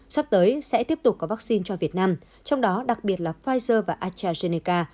sắp tới sẽ tiếp tục có vaccine cho việt nam trong đó đặc biệt là pfizer và astrazeneca